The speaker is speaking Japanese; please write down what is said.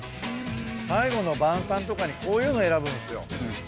最後の晩さんとかにこういうの選ぶんすよ。